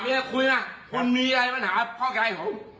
เอาไม้วางก่อนเอาไม้วางก่อน